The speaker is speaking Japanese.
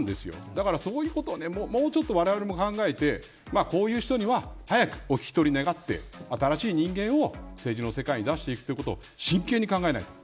だから、そういうことをもうちょっとわれわれも考えてこういう人には早くお引き取り願って新しい人間を、政治の世界に出していくということを真剣に考えないと。